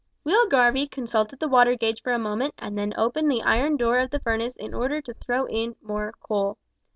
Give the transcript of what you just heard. Will Garvie consulted the water gauge for a moment and then opened the iron door of the furnace in order to throw in more coal.